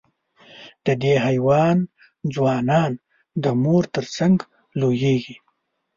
د دې حیوان ځوانان د مور تر څنګ لویېږي.